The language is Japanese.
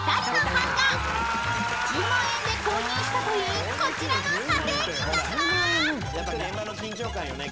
［１０万円で購入したというこちらの査定金額は？］